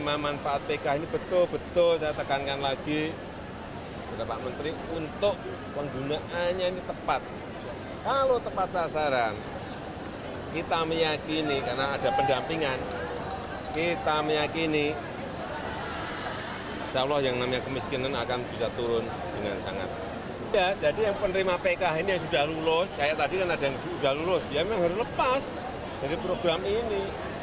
masyarakat penerima pkh yang sudah lulus harus lepas dari program ini